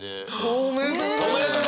おめでとうございます！